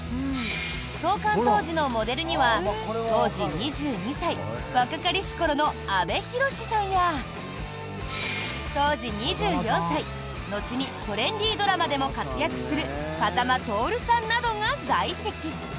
創刊当時のモデルには当時２２歳若かりし頃の阿部寛さんや当時２４歳、後にトレンディードラマでも活躍する風間トオルさんなどが在籍。